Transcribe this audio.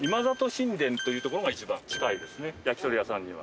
焼き鳥屋さんには。